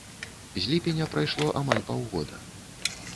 З ліпеня прайшло амаль паўгода.